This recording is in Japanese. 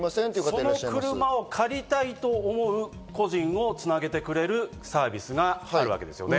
その車を借りたいと思う個人をつなげてくれるサービスがあるわけですね。